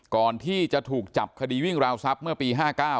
ก่อนที่จะถูกจับคดีวิ่งราวทรัพย์เมื่อปี๕๙